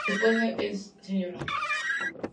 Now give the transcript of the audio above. Su esposa la Sra.